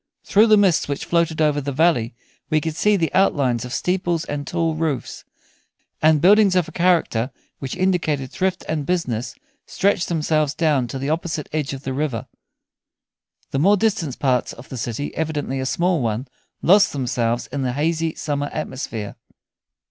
Through the mists which floated over the valley we could see the outlines of steeples and tall roofs; and buildings of a character which indicated thrift and business stretched themselves down to the opposite edge of the river. The more distant parts of the city, evidently a small one, lost themselves in the hazy summer atmosphere.